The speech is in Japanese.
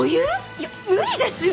いや無理ですよ！